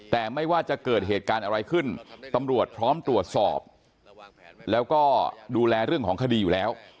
แต่ไม่ว่าจะเกิดเหตุการณ์อะไรขึ้นตำรวจพร้อมตรวจสอบแล้วก็ดูแลเรื่องของคดีอยู่แล้ว